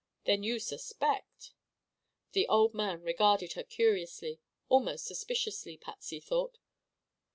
"Then you suspect." The old man regarded her curiously; almost suspiciously, Patsy thought.